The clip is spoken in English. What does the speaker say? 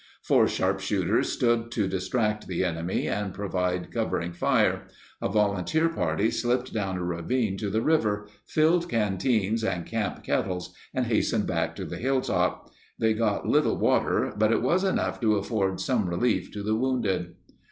Four sharpshooters stood to distract the enemy and provide covering fire. A volunteer party slipped down a ravine to the river, filled canteens and camp kettles, and hastened back to the hilltop. They got little water, but it was enough to afford some relief to the wounded.